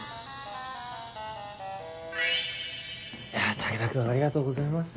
武田君ありがとうございました。